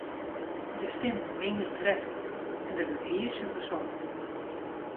De stimmen minge treflik en der wurdt hiersuver songen.